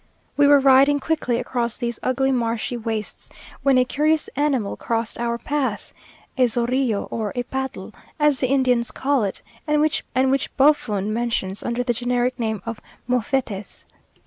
We were riding quickly across these ugly marshy wastes, when a curious animal crossed our path, a zorillo, or epatl, as the Indians call it, and which Bouffon mentions under the generic name of mouffêtes.